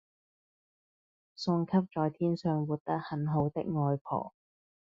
送給在天上活得很好的外婆